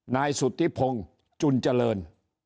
นายสุธิพงศ์จุนเจริญ